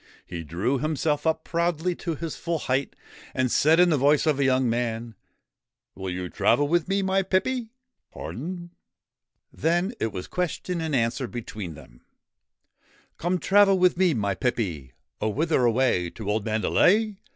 He drew himself up proudly to his full height, and said in the voice of a young man : 1 Will you travel with me, my pippy ?' 1 Pardon ?' 23 THE QUEEN OF THE MISSISSIPPI Then it was question and answer between them : 4 Come, travel with me, my pippy.' ' Oh / Whither away ? To old Mandalay?'